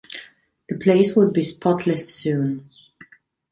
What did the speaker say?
The place would be spotless soon.